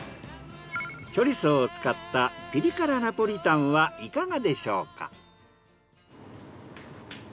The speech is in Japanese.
チョリソーを使ったピリ辛ナポリタンはいかがでしょうか？